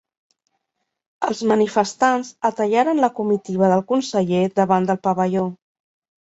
Els manifestants atallaran la comitiva del conseller davant del pavelló.